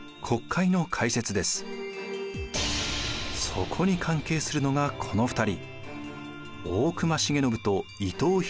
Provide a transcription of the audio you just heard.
そこに関係するのがこの２人。